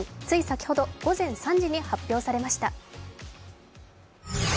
つい先ほど午前３時に発表されました。